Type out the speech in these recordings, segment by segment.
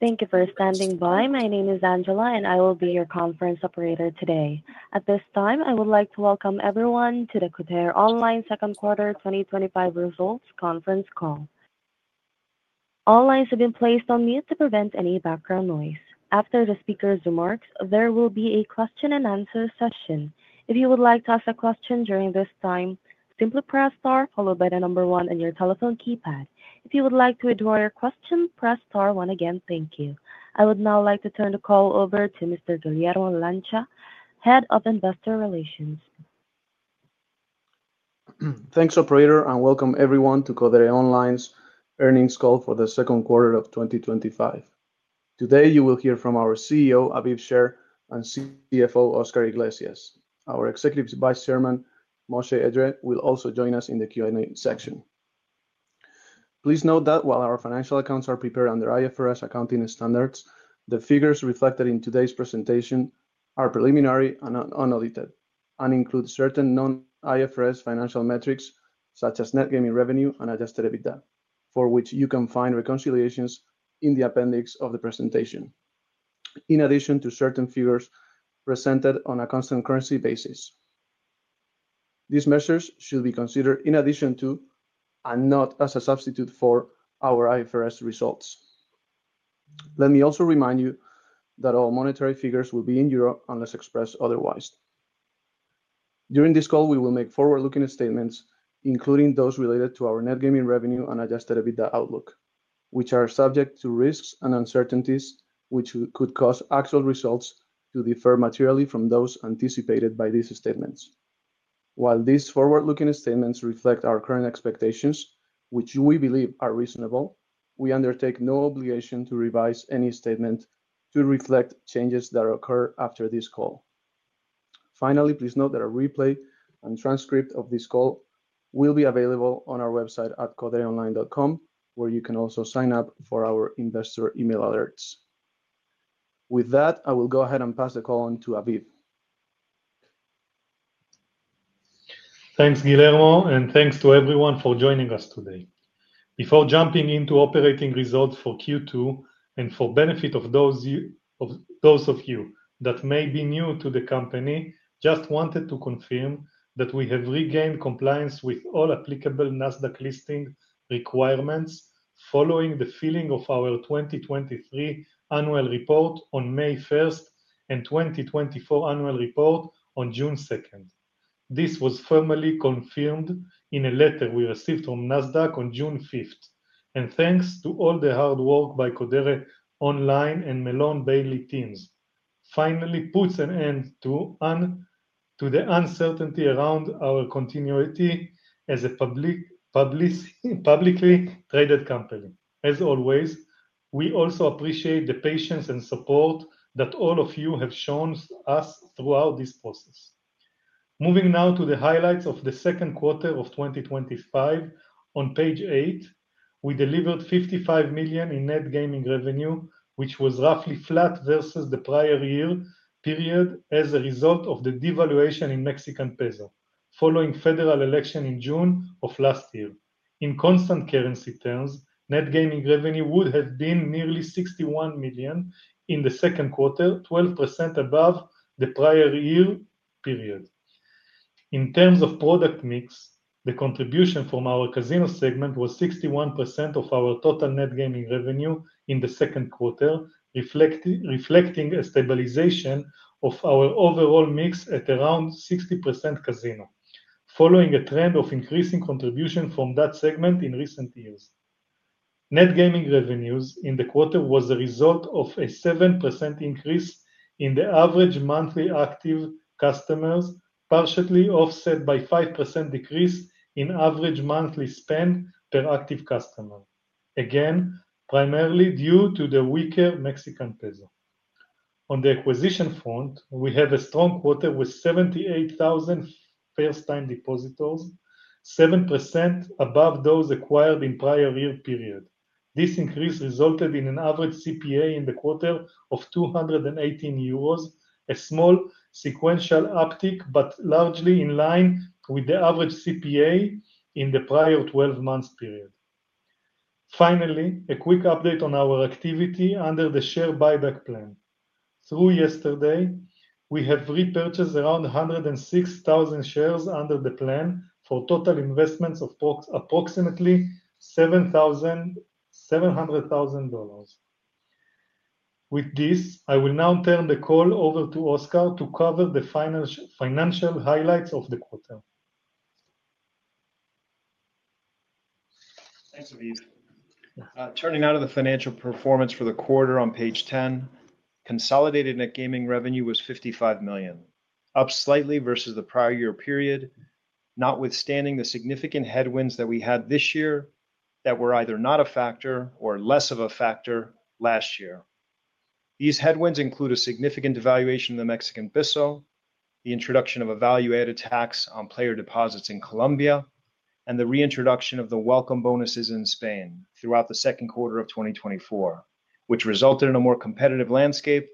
Thank you for standing by. My name is Angela and I will be your conference operator today. At this time I would like to welcome everyone to the Codere Online Second Quarter 2025 Results Conference Call. All lines have been placed on mute to prevent any background noise. After the speakers' remarks, there will be a question and answer session. If you would like to ask a question during this time, simply press star followed by the number one on your telephone keypad. If you would like to withdraw your question, press star one again. Thank you. I would now like to turn the call over to Mr. Guillermo Lancha, Head of Investor Relations. Thanks, operator, and welcome everyone to Codere Online's earnings call for the second quarter of 2025. Today you will hear from our CEO Aviv Sher and CFO Oscar Iglesias. Our Executive Vice Chairman Moshe Edree will also join us in the Q&A section. Please note that while our financial accounts are prepared under IFRS accounting standards, the figures reflected in today's presentation are preliminary and unaudited and include certain non-IFRS financial metrics such as net gaming revenue and adjusted EBITDA, for which you can find reconciliations in the appendix of the presentation. In addition to certain figures presented on a constant currency basis, these measures should be considered in addition to and not as a substitute for our IFRS results. Let me also remind you that all monetary figures will be in euros unless expressed otherwise. During this call we will make forward-looking statements including those related to our net gaming revenue and adjusted EBITDA outlook, which are subject to risks and uncertainties which could cause actual results to differ materially from those anticipated by these statements. While these forward-looking statements reflect our current expectations, which we believe are reasonable, we undertake no obligation to revise any statement to reflect changes that occur after this call. Finally, please note that a replay and transcript of this call will be available on our website at codereonline.com, where you can also sign up for our investor email alerts. With that, I will go ahead and pass the call on to Aviv. Thanks Guillermo and thanks to everyone for joining us today. Before jumping into operating results for Q2 and for the benefit of those of you that may be new to the company, just wanted to confirm that we have regained compliance with all applicable NASDAQ listing requirements following the filing of our 2023 annual report on May 1 and 2024 annual report on June 2. This was formally confirmed in a letter we received from NASDAQ on June 5 and thanks to all the hard work by Codere Online and Melon Bailey Teams, finally puts an end to the uncertainty around our continuity as a publicly traded company. As always, we also appreciate the patience and support that all of you have shown us throughout this process. Moving now to the highlights of the second quarter of 2025, on page eight we delivered €55 million in net gaming revenue, which was roughly flat versus the prior year period as a result of the devaluation in Mexican pesos following the federal election in June of last year. In constant currency terms, net gaming revenue would have been nearly €61 million in the second quarter, 12% above the prior year period. In terms of product mix, the contribution from our casino segment was 61% of our total net gaming revenue in the second quarter, reflecting a stabilization of our overall mix at around 60% casino following a trend of increasing contribution from that segment in recent years. Net gaming revenue in the quarter was the result of a 7% increase in the average monthly active customers, partially offset by a 5% decrease in average monthly spend per active customer, again primarily due to the weaker Mexican peso. On the acquisition front, we had a strong quarter with 78,000 first-time depositors, 7% above those acquired in the prior year period. This increase resulted in an average CPA in the quarter of €218, a small sequential uptick, but largely in line with the average CPA in the prior 12-month period. Finally, a quick update on our activity under the share buyback plan. Through yesterday, we have repurchased around 106,000 shares under the plan for total investments of approximately $700,000. With this, I will now turn the call over to Oscar to cover the financial highlights of the quarter. Thanks Aviv. Turning now to the financial performance for the quarter on page 10, consolidated net gaming revenue was €55 million, up slightly versus the prior year period, notwithstanding the significant headwinds that we had this year that were either not a factor or less of a factor last year. These headwinds include a significant devaluation of the Mexican peso, the introduction of value-added tax on player deposits in Colombia, and the reintroduction of the welcome bonuses in Spain throughout the second quarter of 2024, which resulted in a more competitive landscape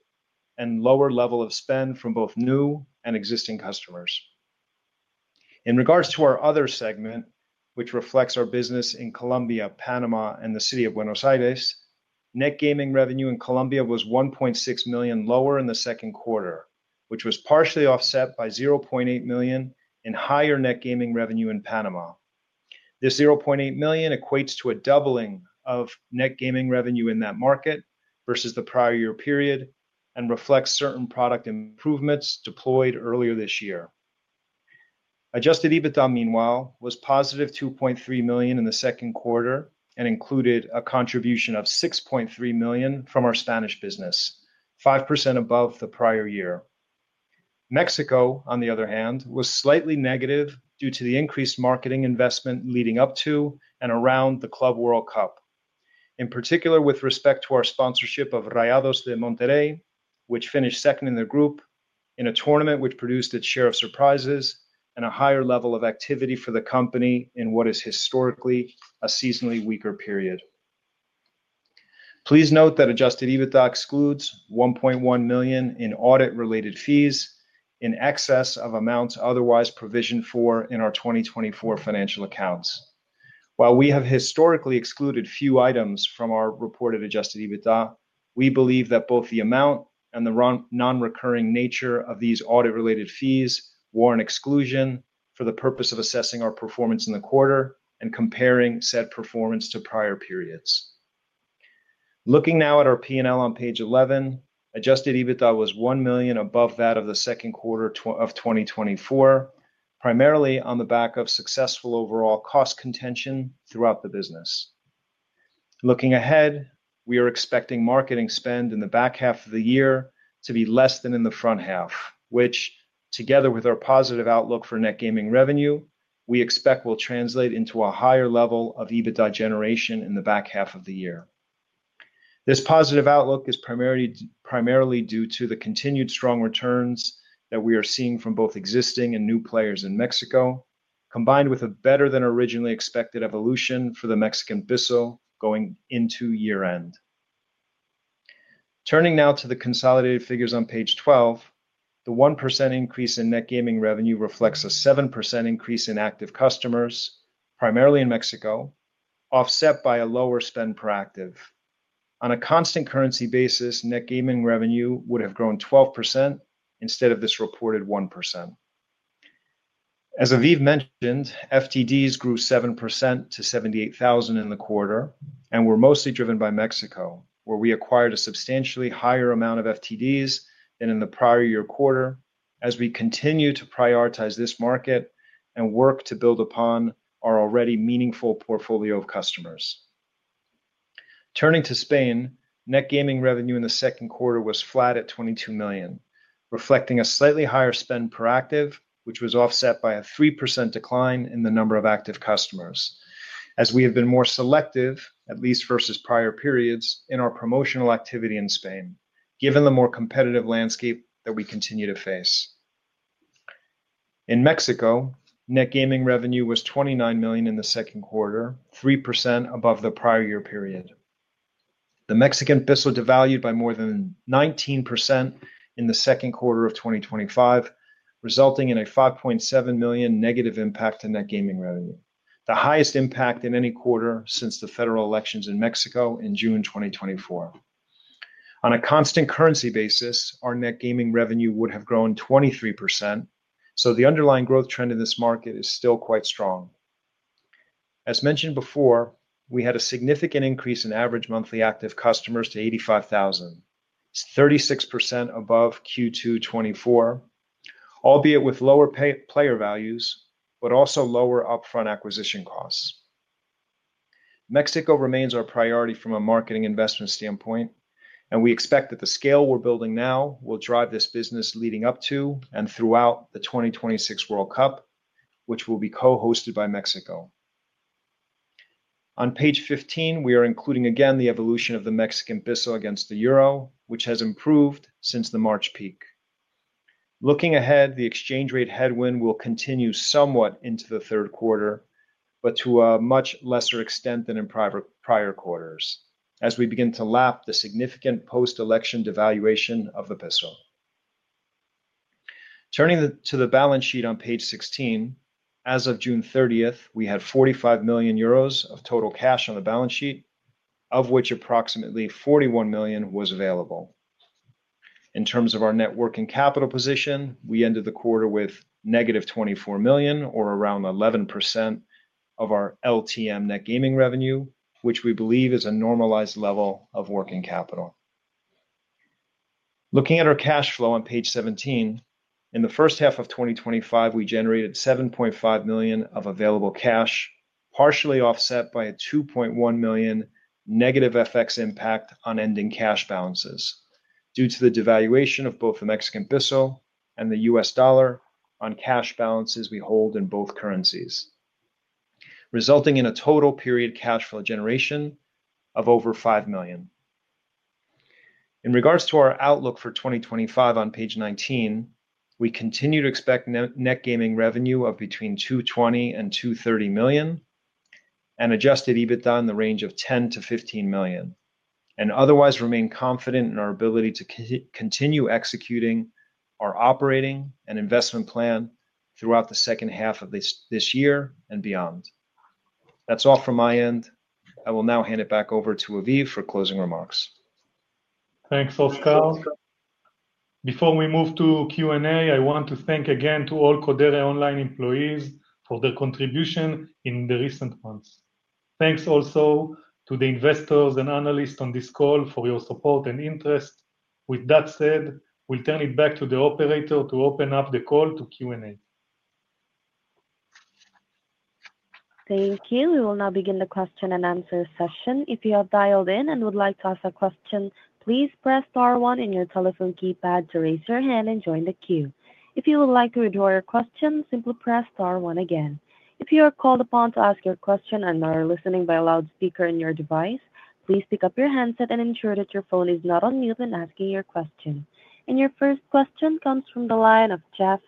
and lower level of spend from both new and existing customers. In regards to our other segment, which reflects our business in Colombia, Panama, and the city of Buenos Aires, net gaming revenue in Colombia was €1.6 million lower in the second quarter, which was partially offset by €0.8 million in higher net gaming revenue in Panama. This €0.8 million equates to a doubling of net gaming revenue in that market versus the prior year period and reflects certain product improvements deployed earlier this year. Adjusted EBITDA, meanwhile, was +$2.3 million in the second quarter and included a contribution of $6.3 million from our Spanish business, 5% above the prior year. Mexico, on the other hand, was slightly negative due to the increased marketing investment leading up to and around the Club World Cup, in particular with respect to our sponsorship of Rayados Monterrey, which finished second in the group in a tournament which produced its share of surprises and a higher level of activity for the company in what is historically a seasonally weaker period. Please note that adjusted EBITDA excludes €1.1 million in audit related fees in excess of amounts otherwise provisioned for in our 2024 financial accounts. While we have historically excluded few items from our reported adjusted EBITDA, we believe that both the amount and the non-recurring nature of these audit related fees warrant exclusion for the purpose of assessing our performance in the quarter and comparing said performance to prior periods. Looking now at our P&L on page 11, adjusted EBITDA was €1 million above that of the second quarter of 2024, primarily on the back of successful overall cost contention throughout the business. Looking ahead, we are expecting marketing spend in the back half of the year to be less than in the front half, which together with our positive outlook for net gaming revenue we expect will translate into a higher level of EBITDA generation in the back half of the year. This positive outlook is primarily due to the continued strong returns that we are seeing from both existing and new players in Mexico, combined with a better than originally expected evolution for the Mexican peso going into year end. Turning now to the consolidated figures on page 12, the 1% increase in net gaming revenue reflects a 7% increase in active customers primarily in Mexico, offset by a lower spend per active. On a constant currency basis, net gaming revenue would have grown 12% instead of this reported 1%. As Aviv mentioned, FTDs grew 7% to 78,000 in the quarter and were mostly driven by Mexico where we acquired a substantially higher amount of FTDs than in the prior year quarter as we continue to prioritize this market and work to build upon our already meaningful portfolio of customers. Turning to Spain, net gaming revenue in the second quarter was flat at €22 million, reflecting a slightly higher spend per active which was offset by a 3% decline in the number of active customers as we have been more selective at least versus prior periods in our promotional activity in Spain. Given the more competitive landscape that we continue to face in Mexico, net gaming revenue was €29 million in the second quarter, 3% above the prior year period. The Mexican peso devalued by more than 19% in the second quarter of 2025, resulting in a €5.7 million negative impact to net gaming revenue, the highest impact in any quarter since the federal elections in Mexico in June 2024. On a constant currency basis, our net gaming revenue would have grown 23%, so the underlying growth trend in this market is still quite strong. As mentioned before, we had a significant increase in average monthly active customers to 85,000, 36% above Q2 2024, albeit with lower player values but also lower upfront acquisition costs. Mexico remains our priority from a marketing investment standpoint and we expect that the scale we're building now will drive this business leading up to and throughout the 2026 World Cup which will be co-hosted by Mexico. On page 15 we are including again the evolution of the Mexican peso against the euro, which has improved since the March peak. Looking ahead, the exchange rate headwind will continue somewhat into the third quarter, but to a much lesser extent than in prior quarters as we begin to lap the significant post-election devaluation of the peso. Turning to the balance sheet on page 16, as of June 30th we had €45 million of total cash on the balance sheet, of which approximately €41 million was available. In terms of our net working capital position, we ended the quarter with negative €24 million or around 11% of our LTM net gaming revenue, which we believe is a normalized level of working capital. Looking at our cash flow on page 17, in the first half of 2025 we generated €7.5 million of available cash, partially offset by a €2.1 million negative FX impact on ending cash balances due to the devaluation of both the Mexican peso and the U.S. dollar on cash balances we hold in both currencies, resulting in a total period cash flow generation of over €5 million. In regards to our outlook for 2025 on page 19, we continue to expect net gaming revenue of between €220 million and €230 million and adjusted EBITDA in the range of €10 million-€15 million and otherwise remain confident in our ability to continue executing our operating and investment plan throughout the second half of this year and beyond. That's all from my end. I will now hand it back over to Aviv for closing remarks. Thanks, Oscar. Before we move to Q&A, I want to thank again all Codere Online employees for the contribution in the recent months. Thanks also to the investors and analysts on this call for your support and interest. With that said, we'll turn it back to the operator to open up the call to Q&A. Thank you. We will now begin the question and answer session. If you have dialed in and would like to ask a question, please press star one on your telephone keypad to raise your hand and join the queue. If you would like to withdraw your question, simply press star one again. If you are called upon to ask your question and are listening by a loudspeaker on your device, please pick up your handset and ensure that your phone is not on mute when asking your question. Your first question comes from the line of Jeff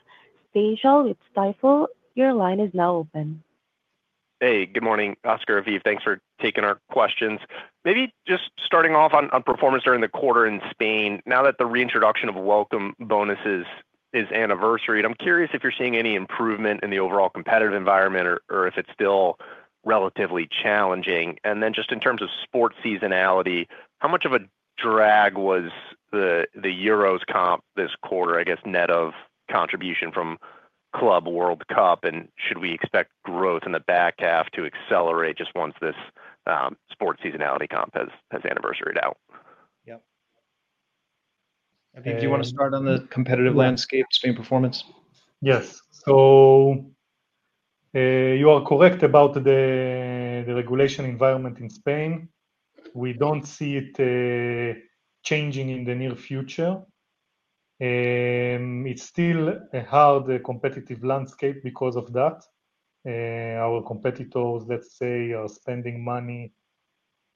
Stantial with Stifel. Your line is now open. Hey, good morning Oscar, Aviv. Thanks for taking our questions. Maybe just starting off on performance during the quarter in Spain, now that the reintroduction of welcome bonuses is anniversary, I'm curious if you're seeing any improvement in the overall competitive environment or if it's still relatively challenging. In terms of sports seasonality, how much of a drag was the Euros comp this quarter? I guess net of contribution from Club World Cup, and should we expect growth in the back half to accelerate just once this sports seasonality comp has anniversary'd out. Yeah. Do you want to start on the competitive landscape, Spain performance? Yes. So. You are correct about the regulation environment in Spain. We don't see it changing in the near future. It's still a hard competitive landscape. Because of that, our competitors, let's say, are spending money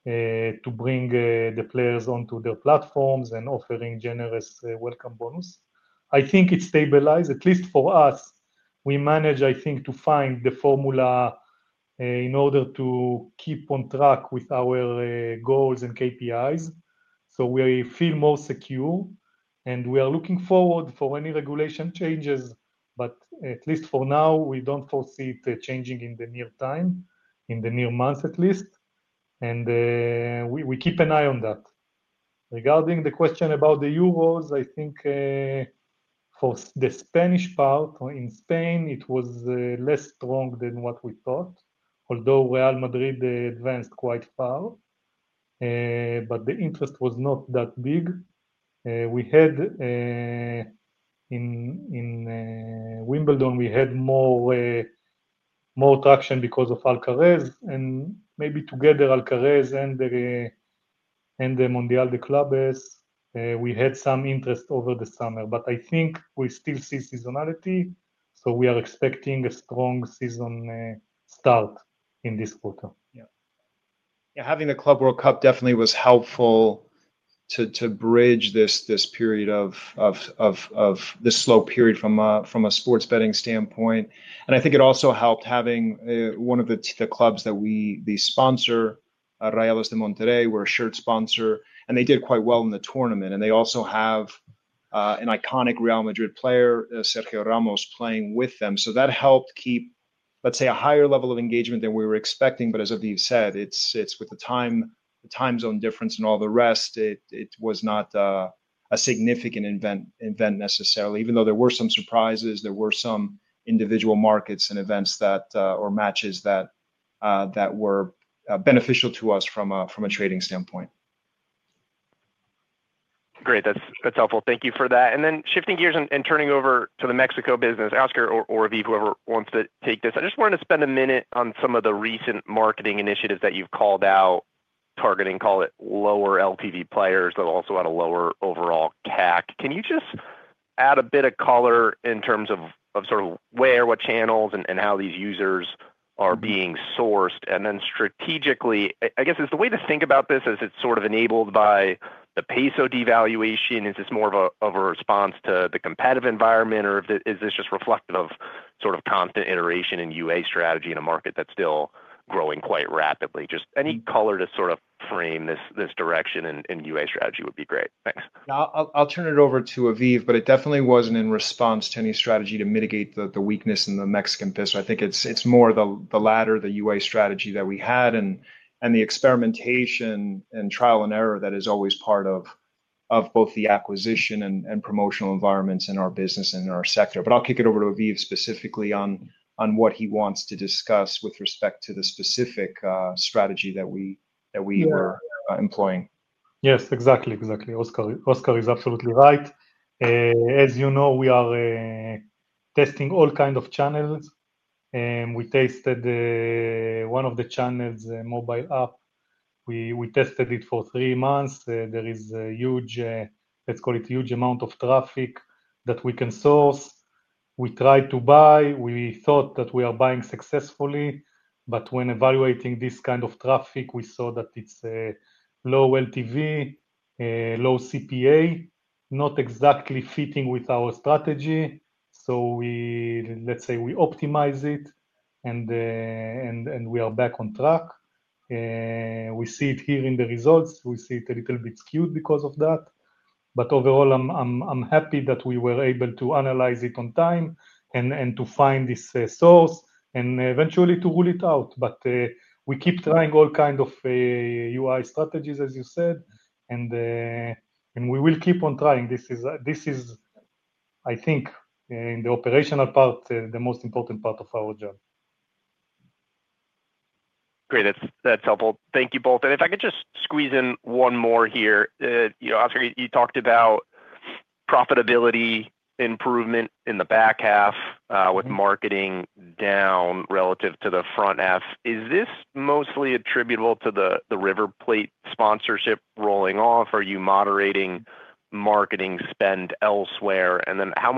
to bring the players onto their platforms and offering generous welcome bonus. I think it stabilized at least for us. We manage, I think, to find the formula in order to keep on track with our goals and KPIs, so we feel more secure and we are looking forward for any regulation changes. At least for now we don't foresee it changing in the near time, in the near months at least, and we keep an eye on that. Regarding the question about the Euros, I think for the Spanish part in Spain it was less strong than what we thought, although Real Madrid advanced quite far, but the interest was not that big. We had in Wimbledon more traction because of Alcaraz, and maybe together Alcaraz and the Club World Cup we had some interest over the summer, but I think we still see seasonality, so we are expecting a strong season start in this quarter. Having the Club World Cup definitely was helpful to bridge this period of this slow period from a sports betting standpoint, and I think it also helped having one of the clubs that we, the sponsor, C.F. Monterrey, were a shirt sponsor and they did quite well in the tournament. They also have an iconic Real Madrid player, Sergio Ramos, playing with them. That helped keep, let's say, a higher level of engagement than we were expecting. As Aviv said, with the time zone difference and all the rest, it was not a significant event necessarily. Even though there were some surprises, there were some individual markets and events or matches that were beneficial to us from a trading standpoint. Great, that's helpful. Thank you for that. Shifting gears and turning over to the Mexico business, Oscar, or whoever wants to take this. I just wanted to spend a minute on some of the recent marketing initiatives that you've called out targeting, call it lower LTV players that also had a lower overall CAC. Can you just add a bit of color in terms of where, what channels and how these users are being sourced? Strategically, I guess is the way to think about this as it's enabled by the peso devaluation. Is this more of a response to the competitive environment or is this just reflective of constant iteration in UA strategy in a market that's still growing quite rapidly? Any color to frame this direction in UA strategy would be great. Thanks. I'll turn it over to Aviv. It definitely wasn't in response to any strategy to mitigate the weakness in the Mexican fist. I think it's more the latter, the UA strategy that we had and the experimentation and trial and error that is always part of both the acquisition and promotional environments in our business and in our sector. I'll kick it over to Aviv specifically on what he wants to discuss with respect to the specific strategy that we were employing. Yes, exactly, exactly. Oscar is absolutely right. As you know, we are testing all kinds of channels and we tested one of the channels, mobile app. We tested it for three months. There is a huge, let's call it huge amount of traffic that we can source. We tried to buy, we thought that we are buying successfully, but when evaluating this kind of traffic we saw that it's low LTV, low CPA, not exactly fitting with our strategy. We optimized it and we are back on track. We see it here in the results. We see it a little bit skewed because of that. Overall, I'm happy that we were able to analyze it on time and to find this source and eventually to rule it out. We keep trying all kinds of UI strategies as you said, and we will keep on trying. This is, I think, in the operational part, the most important part of our job. Great, that's helpful. Thank you both. If I could just squeeze in one more here. Oscar, you talked about profitability improvement in the back half with marketing down relative to the front half. Is this mostly attributable to the River Plate sponsorship rolling off? Are you moderating marketing spend elsewhere? How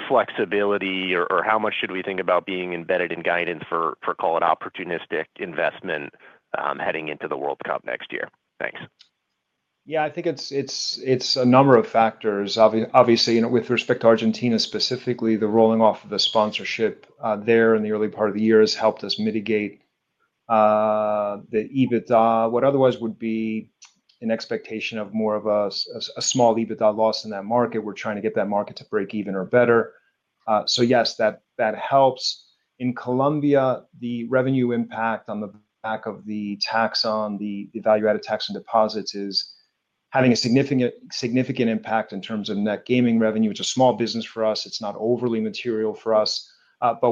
much flexibility or how much should we think about being embedded in guidance for, call it, opportunistic investment heading into the Club World Cup next year? Thanks. Yeah, I think it's a number of factors, obviously with respect to Argentina specifically, the rolling off of the sponsorship there in the early part of the year has helped us mitigate. The EBITDA. What otherwise would be an expectation of more of a small EBITDA loss in that market. We're trying to get that market to break even or better. Yes, that helps. In Colombia, the revenue impact on the back of the tax, on the value-added tax on deposits, is having a significant impact in terms of net gaming revenue. It's a small business for us, it's not overly material for us.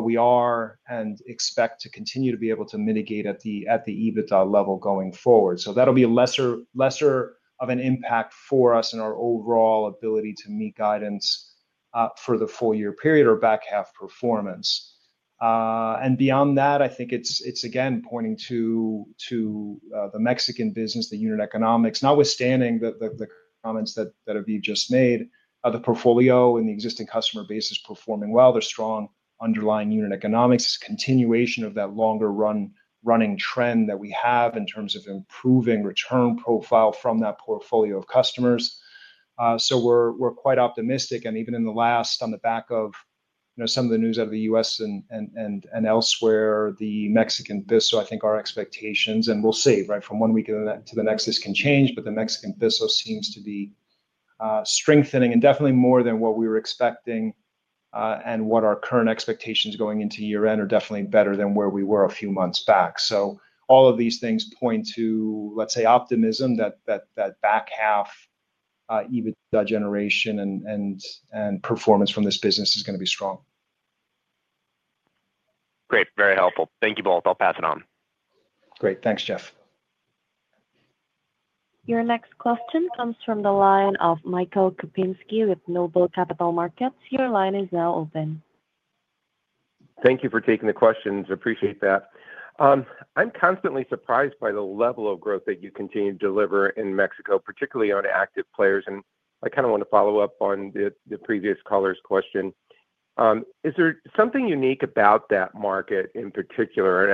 We are and expect to continue to be able to mitigate at the EBITDA level going forward. That'll be lesser of an impact for us in our overall ability to meet guidance for the full year period or back half performance and beyond that. I think it's again pointing to the Mexican business, the unit economics notwithstanding the comments that Aviv just made, the portfolio and the existing customer base is performing well, they're strong underlying unit economics, continuation of that longer run running trend that we have in terms of improving return profile from that portfolio of customers. We're quite optimistic. Even in the last, on the back of some of the news out of the U.S. and elsewhere, the Mexican peso, I think our expectations, and we'll see right from one week to the next, this can change. The Mexican peso seems to be strengthening and definitely more than what we were expecting and what our current expectations going into year end are, definitely better than where we were a few months back. All of these things point to, let's say, optimism that back half EBITDA generation and performance from this business is going to be strong. Great. Very helpful. Thank you both. I'll pass it on. Great, thanks. Jeff. Your next question comes from the line of Michael Kupinski with Noble Capital Market. Your line is now open. Thank you for taking the questions. Appreciate that. I'm constantly surprised by the level of growth that you continue to deliver in Mexico, particularly on active players. I want to follow up on the previous caller's question. Is there something unique about that market in particular?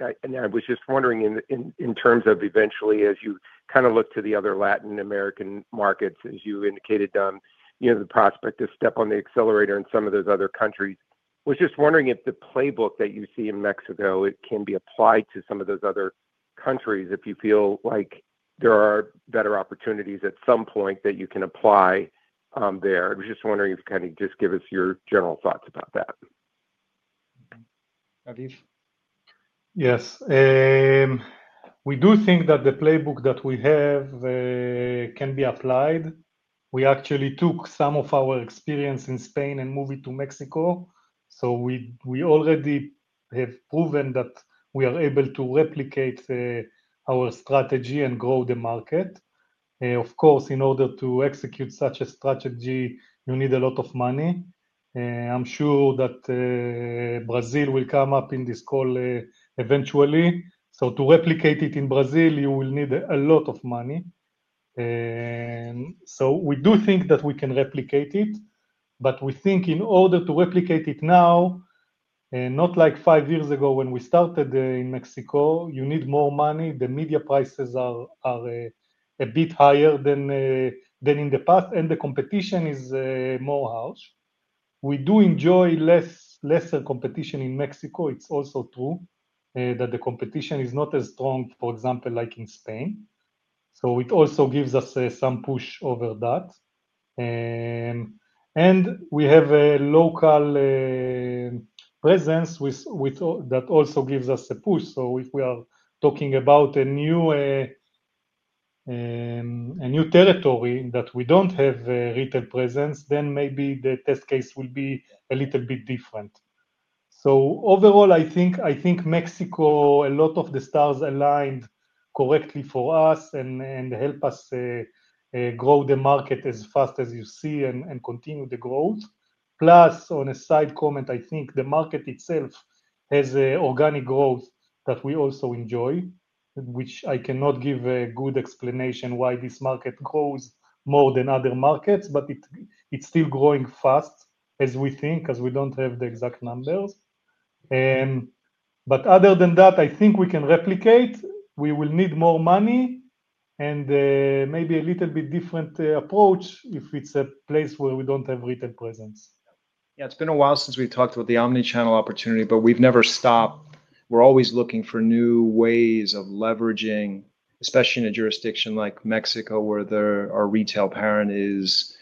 I was just wondering in terms of eventually, as you look to the other Latin American markets, as you indicated, the prospect to step on the accelerator in some of those other countries. I was just wondering if the playbook that you see in Mexico can be applied to some of those other countries, if you feel like there are better opportunities at some point that you can apply there. I was just wondering if you could give us your general thoughts about that. Yes, we do think that the playbook that we have can be applied. We actually took some of our experience in Spain and moved it to Mexico. We already have proven that we are able to replicate our strategy and grow the market. Of course, in order to execute such a strategy, you need a lot of money. I'm sure that Brazil will come up in this call eventually. To replicate it in Brazil, you will need a lot of money. We do think that we can replicate it, but we think in order to replicate it now and not like five years ago when we started in Mexico, you need more money. The media prices are a bit higher than in the past and the competition is more harsh. We do enjoy less competition in Mexico. It's also true that the competition is not as strong, for example, like in Spain. It also gives us some push over that and we have a local presence that also gives us a push. If we are talking about a new territory where we don't have retail presence, the test case will be a little bit different. Overall, I think Mexico, a lot of the stars aligned correctly for us and helped us grow the market as fast as you see and continue the growth. Plus, on a side comment, I think the market itself has organic growth that we also enjoy, which I cannot give a good explanation why this market grows more than other markets, but it's still growing fast as we think, as we don't have the exact numbers. Other than that, I think we can replicate. We will need more money and maybe a little bit different approach if it's a place where we don't have retail presence. Yeah, it's been a while since we've talked about the omnichannel opportunity, but we've never stopped. We're always looking for new ways of leveraging, especially in a jurisdiction like Mexico where our retail parent is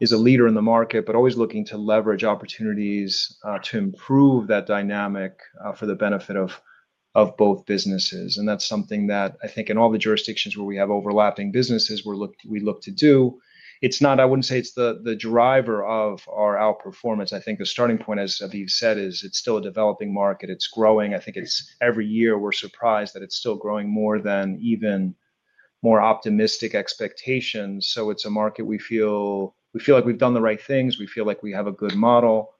a leader in the market, but always looking to leverage opportunities to improve that dynamic for the benefit of both businesses. That's something that I think in all the jurisdictions where we have overlapping businesses, we look to do. I wouldn't say it's the driver of our outperformance. I think the starting point, as Aviv said, is it's still a developing market, it's growing. I think every year we're surprised that it's still growing more than even more optimistic expectations. It's a market. We feel like we've done the right things. We feel like we have a good model.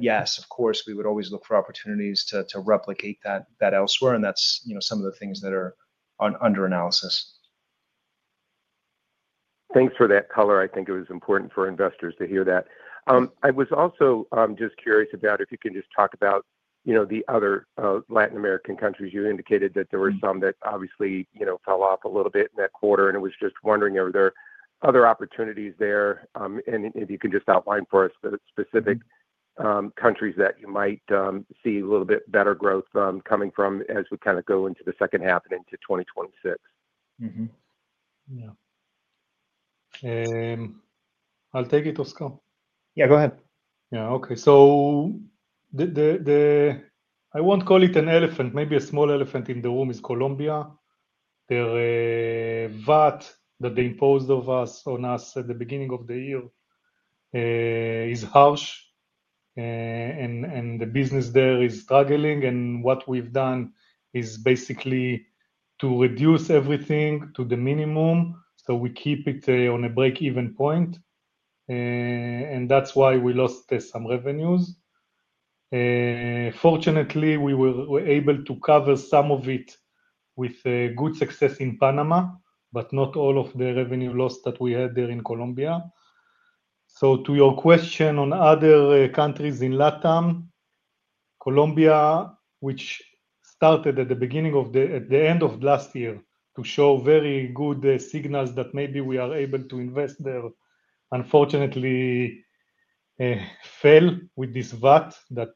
Yes, of course we would always look for opportunities to replicate that elsewhere. That's some of the things that are under analysis. Thanks for that color. I think it was important for investors to hear that. I was also just curious about, if you can just talk about the other Latin American countries. You indicated that there were some that obviously fell off a little bit in that quarter. I was just wondering, are there other opportunities there, and if you could just outline for us the specific countries that you might see a little bit better growth coming from as we kind of go into the second half and into 2026. I'll take it, Oscar. Yeah. Go ahead. Okay. I won't call it an elephant, maybe a small elephant in the room is Colombia. The value-added tax on player deposits that they imposed on us at the beginning of the year is harsh and the business there is struggling. What we've done is basically to reduce everything to the minimum so we keep it at a break even point. That's why we lost some revenues. Fortunately, we were able to cover some of it with good success in Panama, but not all of the revenue loss that we had there in Colombia. To your question on other countries in Latin America, Colombia, which started at the end of last year to show very good signals that maybe we are able to invest there, unfortunately fell with this value-added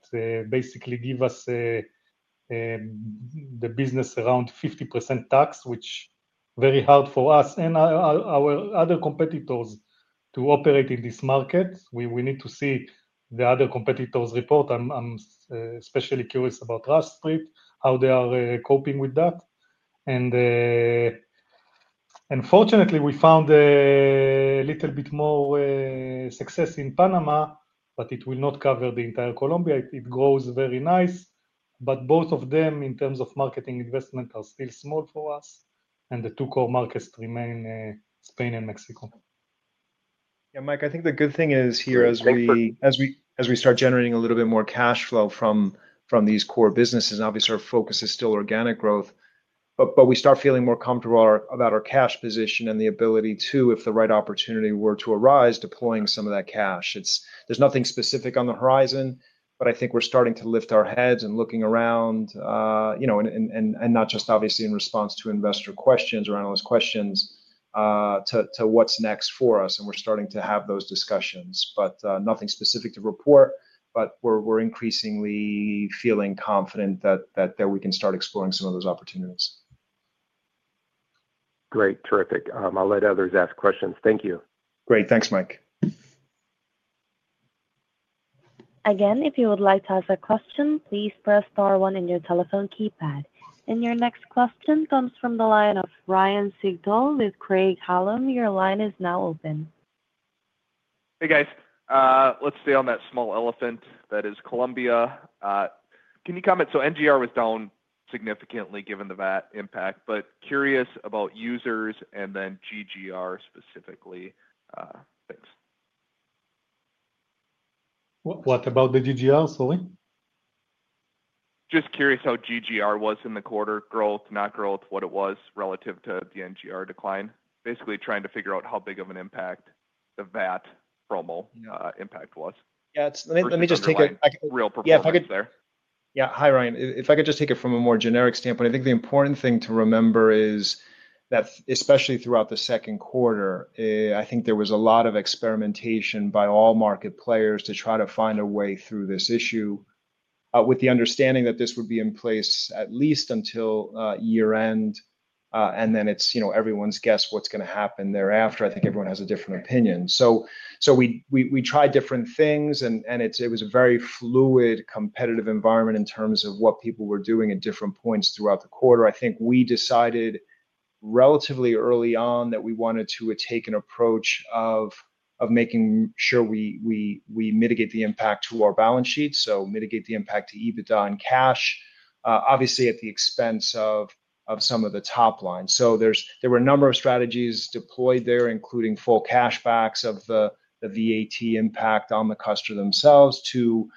tax on player deposits that basically gives us the business around 50% tax, which is very hard for us and our other competitors to operate in this market. We need to see the other competitors report. I'm especially curious about how they are coping with that. Fortunately, we found a little bit more success in Panama, but it will not cover the entire Colombia. It grows very nicely, but both of them in terms of marketing investment are still small for us and the two core markets remain Spain and Mexico. Yeah, Mike, I think the good thing is here, as we start generating a little bit more cash flow from these core businesses, obviously our focus is still organic growth, but we start feeling more comfortable about our cash position and the ability to, if the right opportunity were to arise, deploying some of that cash. There's nothing specific on the horizon. I think we're starting to lift our heads and looking around, not just obviously in response to investor questions or analyst questions to what's next for us. We're starting to have those discussions, but nothing specific to report. We're increasingly feeling confident that we can start exploring some of those opportunities. Great. Terrific. I'll let others ask questions. Thank you. Great. Thanks, Mike. Again, if you would like to ask a question, please press Star one on your telephone keypad. Your next question comes from the line of Ryan Sigdahl with Craig-Hallum. Your line is now open. Hey guys, let's stay on that small elephant that is Colombia. Can you comment? NGR was down significantly given the VAT impact, but curious about users and then GGR specifically. Thanks. What about the net gaming revenue, Sully? Just curious how GGR was in the quarter. Growth, not growth, what it was relative to the NGR decline. Basically trying to figure out how big of an impact the VAT promo impact was. Let me just take a real proposal there. Yeah. Hi, Ryan. If I could just take it from a more generic standpoint. I think the important thing to remember is that especially throughout the second quarter, there was a lot of experimentation by all market players to try to find a way through this issue with the understanding that this would be in place at least until year end. It's everyone's guess what's going to happen thereafter. I think everyone has a different opinion. We tried different things. It was a very fluid competitive environment in terms of what people were doing at different points throughout the quarter. I think we decided relatively early on that we wanted to take an approach of making sure we mitigate the impact to our balance sheet, to EBITDA and cash, obviously at the expense of some of the top line. There were a number of strategies deployed there, including full cashbacks of the VAT impact on the customer themselves, to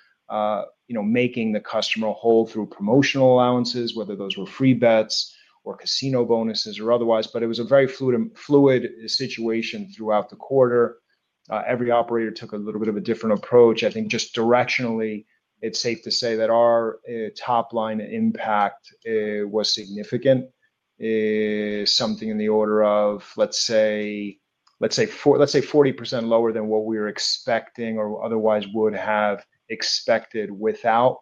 making the customer hold through promotional allowances, whether those were free bets or casino bonuses or otherwise. It was a very fluid situation throughout the quarter. Every operator took a little bit of a different approach. I think just directionally it's safe to say that our top line impact was significant, something in the order of, let's say, 40% lower than what we were expecting or otherwise would have expected without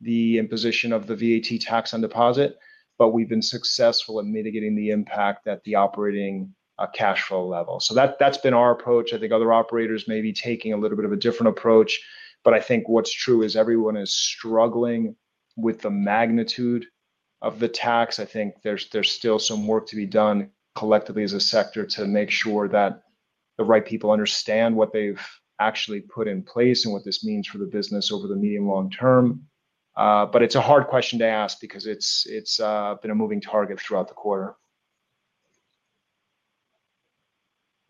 the imposition of the VAT tax on deposit. We've been successful in mitigating the impact at the operating cash flow level. That's been our approach. I think other operators may be taking a little bit of a different approach. What's true is everyone is struggling with the magnitude of the tax. I think there's still some work to be done collectively as a sector to make sure that the right people understand what they've actually put in place and what this means for the business over the medium, long term. It's a hard question to ask because it's been a moving target throughout the quarter.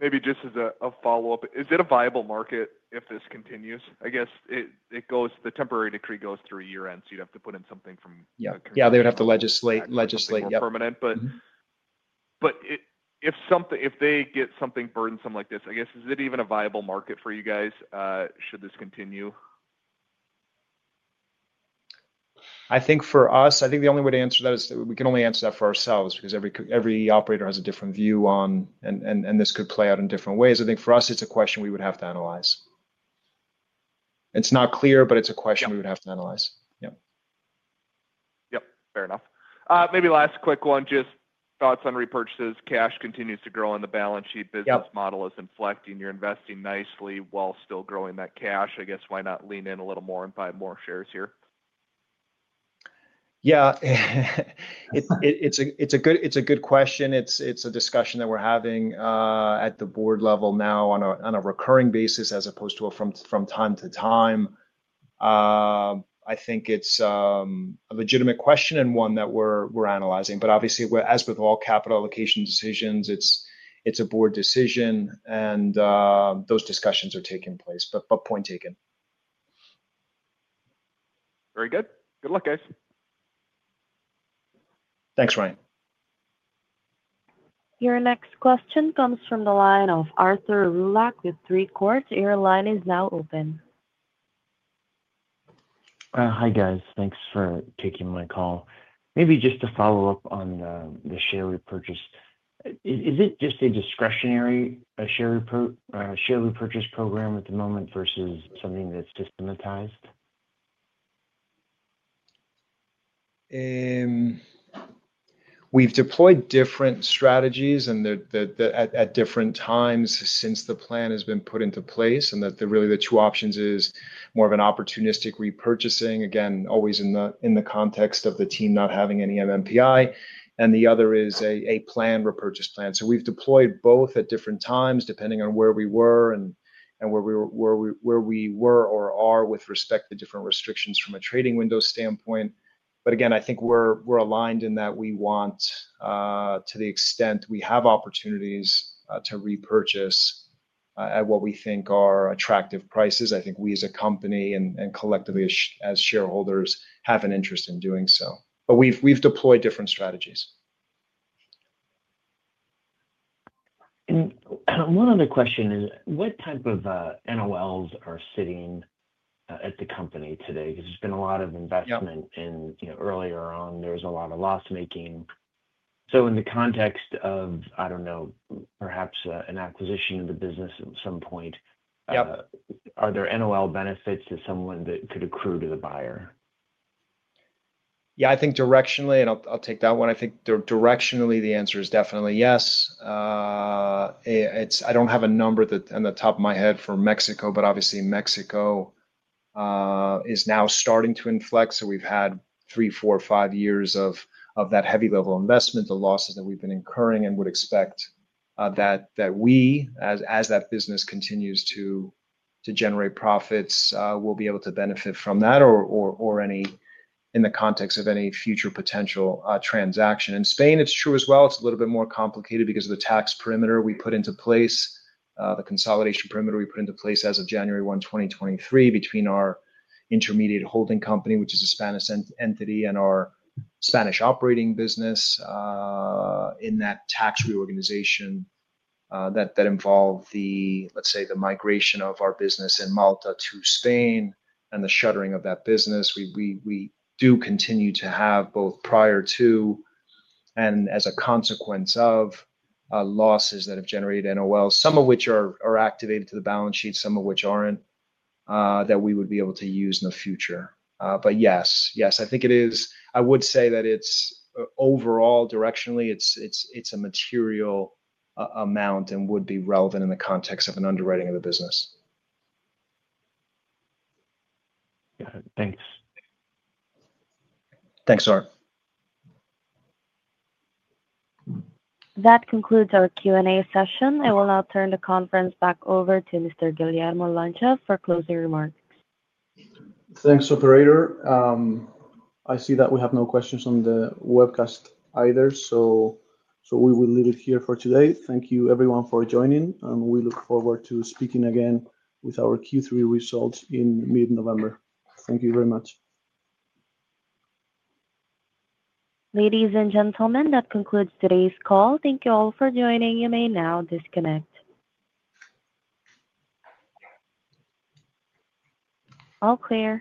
Maybe just as a follow-up, is it a viable market if this continues? I guess it goes, the temporary decree goes through year-end. You'd have to put in something from. Yeah, they would have to legislate permanent. If they get something burdensome like this, I guess. Is it even a viable market for you guys? Should this continue? I think for us, the only way to answer that is we can only answer that for ourselves because every operator has a different view on how this could play out in different ways. I think for us it's a question we would have to analyze. It's not clear, but it's a question we would have to analyze. Yep, fair enough. Maybe. Last quick one, just thoughts on repurchases. Cash continues to grow on the balance sheet. Business model is inflecting. You're investing nicely while still growing that cash. I guess, why not lean in a little more and buy more shares here? It's a good question. It's a discussion that we're having at the board level now on a recurring basis as opposed to from time to time. I think it's a legitimate question and one that we're analyzing. Obviously, as with all capital allocation decisions, it's a board decision and those discussions are taking place. Point taken. Very good. Good luck, guys. Thanks, Ryan. Your next question comes from the line of Arthur Roulac with Three Court. The line is now open. Hi guys. Thanks for taking my call. Maybe just to follow up on the share repurchase. Is it just a discretionary share repurchase program at the moment versus something that's systematized? We have deployed different strategies at different times since the plan has been put into place. The two options are more of an opportunistic repurchasing, always in the context of the team not having any MMPI, and a planned repurchase plan. We have deployed both at different times, depending on where we were and where we were or are with respect to different restrictions from a trading window standpoint. I think we're aligned in that we want, to the extent we have opportunities to repurchase at what we think are attractive prices. I think we as a company and collectively as shareholders have an interest in doing so. We have deployed different strategies. What type of material net operating losses are sitting at the company today? It's been a lot of investment and, you know, earlier on there was a lot of loss making. In the context of, I don't know, perhaps an acquisition of the business at some point, are there NOL benefits to someone that could accrue to the buyer? Yeah, I think directionally, the answer is definitely yes. I don't have a number on the top of my head for Mexico, but obviously Mexico is now starting to inflect. We've had three, four, five years of that heavy level investment. The losses that we've been incurring and would expect that we, as that business continues to generate profits, we'll be able to benefit from that or any. In the context of any future potential transaction in Spain, it's true as well. It's a little bit more complicated because of the tax perimeter we put into place, the consolidation perimeter we put into place as of January 1, 2023, between our intermediate holding company, which is a Spanish entity, and our Spanish operating business. In that tax reorganization that involved the migration of our business in Malta to Spain and the shuttering of that business, we do continue to have, both prior to and as a consequence of losses that have generated NOL, some of which are activated to the balance sheet, some of which aren't, that we would be able to use in the future. Yes, I think it is. I would say that it's overall, directionally, it's a material amount and would be relevant in the context of an underwriting of the business. Got it. Thanks. Thanks, Arthur. That concludes our Q&A session. I will now turn the conference back over to Mr. Guillermo Lancha for closing remarks. Thanks, operator. I see that we have no questions on the webcast either. We will leave it here for today. Thank you, everyone, for joining, and we look forward to speaking again with our Q3 results in mid November. Thank you very much. Ladies and gentlemen, that concludes today's call. Thank you all for joining. You may now disconnect. All clear.